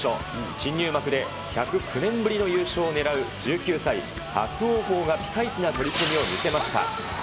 新入幕で１０９年ぶりの優勝を狙う１９歳、伯桜鵬がピカイチな取組を見せました。